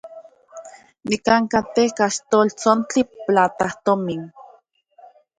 Nikan katej kaxltoltsontli platajtomin.